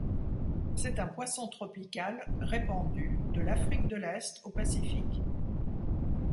C'est un poisson tropical répandu de l'Afrique de l'Est au Pacifique.